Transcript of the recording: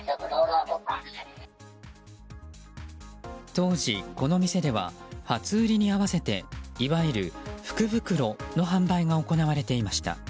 当時、この店では初売りに合わせていわゆる福袋の販売が行われていました。